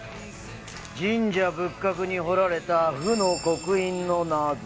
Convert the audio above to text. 「神社仏閣に彫られた『不』の刻印の謎」